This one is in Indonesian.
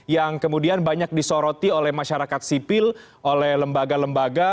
yang kemudian banyak disoroti oleh masyarakat sipil oleh lembaga lembaga